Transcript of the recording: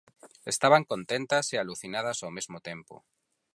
Estaban contentas e alucinadas ao mesmo tempo.